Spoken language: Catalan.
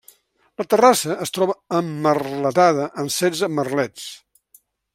La terrassa es troba emmerletada amb setze merlets.